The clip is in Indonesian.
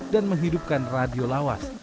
dan menghidupkan radio lawas